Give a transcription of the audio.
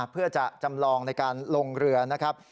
เพื่อจะจำลองในการลงเรือนะครับ